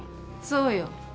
そうよ。